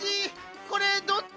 これどっち？